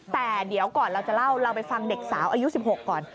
แต่เดี๋ยวก่อนเราจะเล่าเราไปฟังเด็กสาวอายุ๑๖ก่อน